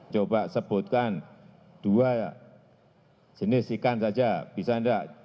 coba sebutkan dua jenis ikan saja bisa enggak